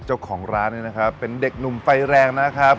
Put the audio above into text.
เจ้าของร้านนี้นะครับเป็นเด็กหนุ่มไฟแรงนะครับ